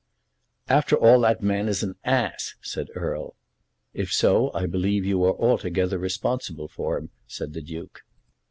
"After all, that man is an ass," said Erle. "If so, I believe you are altogether responsible for him," said the Duke.